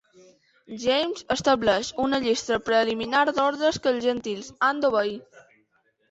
James estableix una llista preliminar d'ordres que els Gentiles han d'obeir.